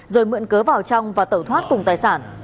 rồi mượn cớ vào trong và tẩu thoát cùng tài sản